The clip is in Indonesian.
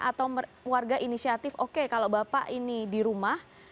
atau warga inisiatif oke kalau bapak ini di rumah